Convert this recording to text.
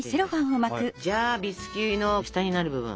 じゃあビスキュイの下になる部分。